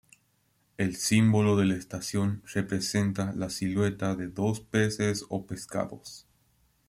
El símbolo de la estación representa la silueta de dos peces o pescados.